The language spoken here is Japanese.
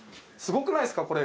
すごくないすか？